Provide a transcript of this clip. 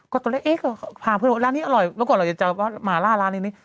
ก็ตอนแรกเอ๊ะพาเพื่อนร้านนี้อร่อยเมื่อก่อนเราจะเจอว่าหมาล่าร้านนี้